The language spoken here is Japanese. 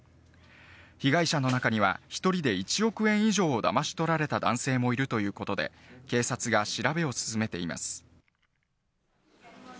被害者の中には、１人で１億円以上をだまし取られた男性もいるということで、警察が調べを進めています。